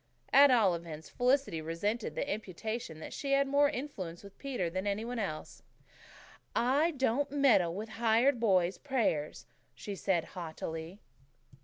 At all events, Felicity resented the imputation that she had more influence with Peter than any one else. "I don't meddle with hired boys' prayers," she said haughtily.